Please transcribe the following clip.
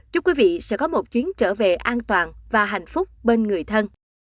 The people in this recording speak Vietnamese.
chúc quý vị sẽ có một chuyến trở về an toàn và hạnh phúc bên người thân